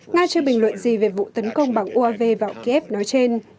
nga chưa bình luận gì về vụ tấn công bằng uav vào kiev nói trên